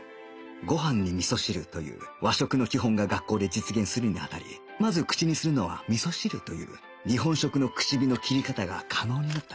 ご飯に味噌汁という和食の基本が学校で実現するにあたりまず口にするのは味噌汁という日本食の口火の切り方が可能になった